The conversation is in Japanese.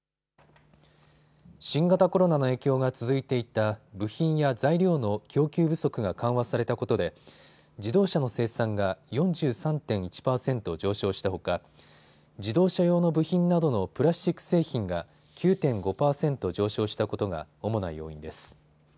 新型コロナの影響が続いていた部品や材料の供給不足が緩和されたことで自動車の生産が４３．１％上昇したほか自動車用の部品などのプラスチック製品が９．５％上昇したことが主な要因です。